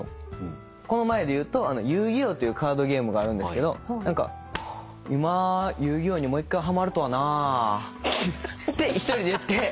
この前でいうと『遊戯王』っていうカードゲームがあるんですけど「今『遊戯王』にもう一回はまるとはな」って１人で言って。